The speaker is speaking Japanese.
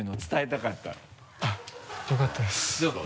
よかったです。